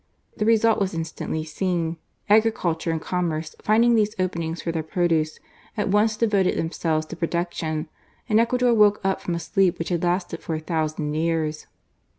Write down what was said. The result was instantly seen. Agriculture and commerce, finding these openings for their produce, at once devoted themselves to production, and Ecuador woke up from a sleep which had lasted for a thousand years.